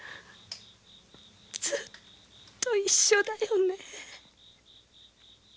ずっと一緒だよね。